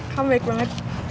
kamu baik banget